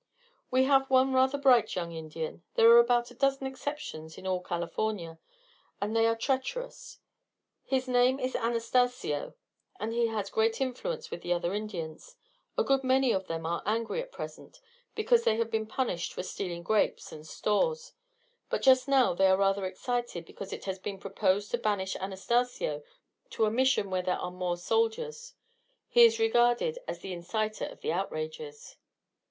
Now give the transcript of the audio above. "We have one rather bright young Indian there are about a dozen exceptions in all California, and they are treacherous. His name is Anastacio, and he has great influence with the other Indians. A good many of them are angry at present because they have been punished for stealing grapes and stores, and just now they are rather excited because it has been proposed to banish Anastacio to a Mission where there are more soldiers, he is regarded as the inciter of the outrages."